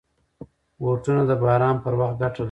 بوټونه د باران پر وخت ګټه لري.